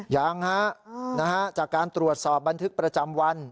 ยังฮะจากการตรวจสอบบันทึกประจำวัน